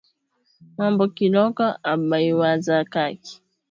Mambo kiloko abaiwazaki